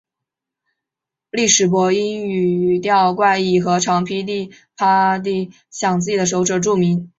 史力柏因语调怪异和常劈啪地晌自己手指而著名。